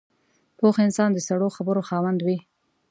پوخ انسان د سړو خبرو خاوند وي